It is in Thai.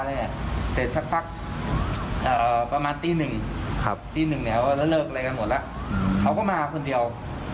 แต่ประมาณตีหนึ่งเริ่มเลิกกันหมดแล้วเขาก็มาคนเดียว